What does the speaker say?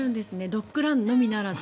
ドッグランのみならず。